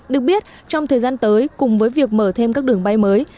được biết trong thời gian tới cùng với việc mở thêm các đường bay mới